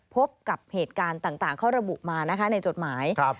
พบกับเหตุการณ์ต่างเขาระบุมานะคะในจดหมาย